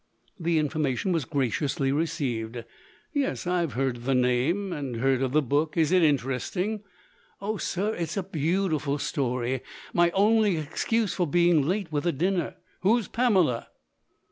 The information was graciously received, "Yes; I've heard of the name, and heard of the book. Is it interesting?" "Oh, sir, it's a beautiful story! My only excuse for being late with the dinner " "Who's Pamela?"